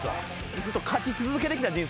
ずっと勝ち続けてきた人生なんですよ。